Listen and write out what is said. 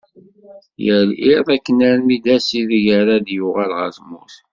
Yal iḍ akken armi d ass ideg ara d-yuɣal ɣer tmurt.